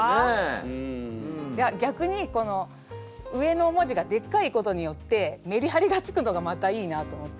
いやぎゃくにこの上の文字がでっかいことによってメリハリがつくのがまたいいなと思って。